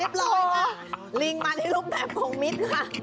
นิดละว่าลิงมาในรูปแบบของมิตรค่ะ